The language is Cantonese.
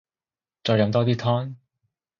再飲多啲湯